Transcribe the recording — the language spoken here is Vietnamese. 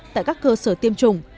tại các cơ sở tiêm chủng